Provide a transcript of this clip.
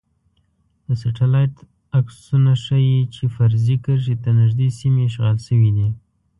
د سټلایټ عکسونه ښايی چې فرضي کرښې ته نږدې سیمې اشغال شوي دي